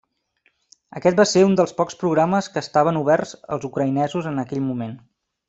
Aquest va ser un dels pocs programes que estaven oberts als ucraïnesos en aquell moment.